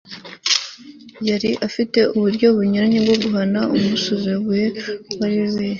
yari afite uburyo bunyuranye bwo guhana umusuzuguye uwo ariwe wese